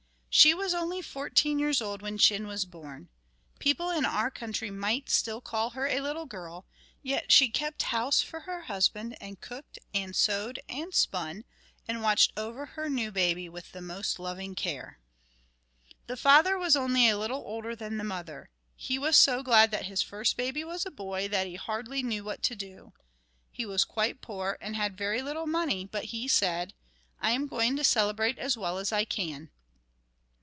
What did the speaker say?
She was only fourteen years old when Chin was born. People in our country might still call her a little girl, yet she kept house for her husband, and cooked and sewed and spun, and watched over her new baby with the most loving care. The father was only a little older than the mother. He was so glad that his first baby was a boy that he hardly knew what to do. He was quite poor and had very little money, but he said: "I am going to celebrate as well as I can.